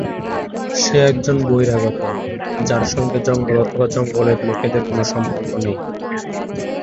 সে একজন বহিরাগত, যার সাথে জঙ্গল অথবা জঙ্গলের লোকদের কোন সম্পর্ক নেই।